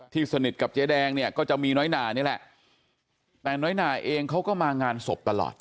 สนิทกับเจ๊แดงเนี่ยก็จะมีน้อยหนานี่แหละแต่น้อยหนาเองเขาก็มางานศพตลอด